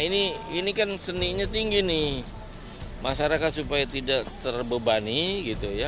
ini kan seninya tinggi nih masyarakat supaya tidak terbebani gitu ya